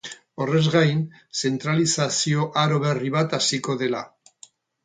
Horrez gain, zentralizazio aro berri bat hasiko dela.